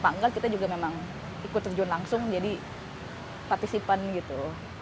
apa enggak kita juga memang ikut terjun langsung jadi partisipan gitu